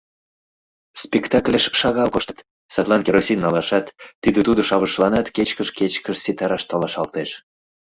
Спектакльыш шагал коштыт, садлан керосин налашат, тиде-тудо шавышланат кечкыж-кечкыж ситараш толашалтеш.